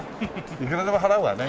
いくらでも払うわね。